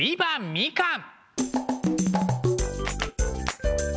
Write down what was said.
みかん！！」。